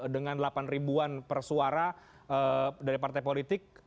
dengan delapan ribu an persuara dari partai politik